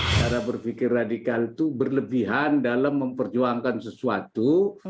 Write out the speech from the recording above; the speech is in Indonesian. cara berpikir radikal itu berlebihan dalam memperjuangkan sesuatu